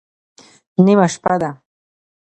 _نيمه شپه ده.